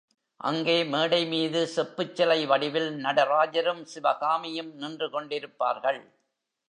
அங்கு மேடை மீது செப்புச்சிலை வடிவில் நடராஜரும் சிவகாமியும் நின்று கொண்டிருப்பார்கள்.